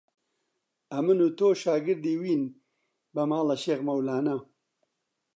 ئەمن و تۆ شاگردی وین بە ماڵە شێخ مەولانە